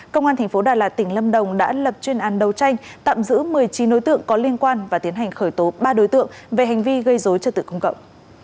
công an tp đà lạt tỉnh lâm đồng đã lập chuyên án đấu tranh tạm giữ một mươi chín đối tượng có liên quan và tiến hành khởi tố ba đối tượng về hành vi gây dối trật tự công cộng